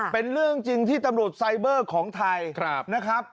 เป็นเรื่องจริงที่ตำรวจไซเบอร์ของไทยนะครับ